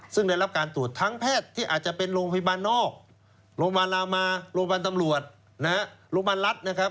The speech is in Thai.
ซึ่งได้รับการตรวจทั้งแพทย์ที่อาจจะเป็นโรงพยาบาลนอกโรงพยาบาลลามาโรงพยาบาลตำรวจนะฮะโรงพยาบาลรัฐนะครับ